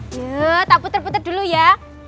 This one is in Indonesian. yuk tak puter puter dulu ya